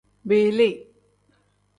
Biili.